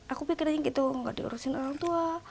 aku pikirin gitu gak diurusin sama orang tua